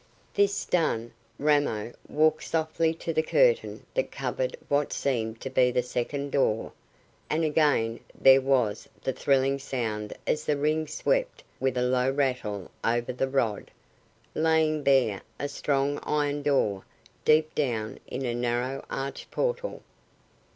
This done, Ramo walked softly to the curtain that covered what seemed to be the second door, and again there was the thrilling sound as the rings swept with a low rattle over the rod, laying bare a strong iron door deep down in a narrow arched portal.